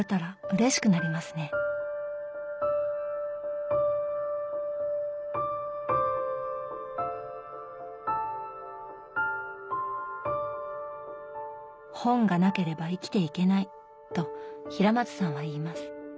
本がなければ生きていけないと平松さんは言います。